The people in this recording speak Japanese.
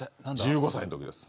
１５歳の時です